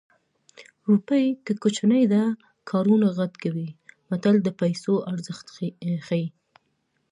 روپۍ که کوچنۍ ده کارونه غټ کوي متل د پیسو ارزښت ښيي